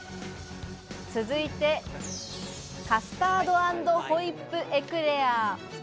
続いて、カスタード＆ホイップエクレア。